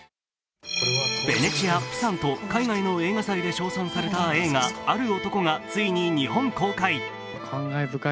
ベネチア、プサンと海外で称賛された映画「ある男」がついに日本公開。